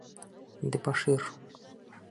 Дебошир!